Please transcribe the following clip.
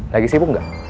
lagi sibuk gak